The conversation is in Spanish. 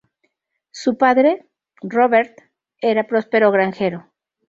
Su padre, Robert, era próspero granjero.